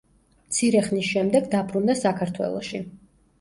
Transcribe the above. მცირე ხნის შემდეგ დაბრუნდა საქართველოში.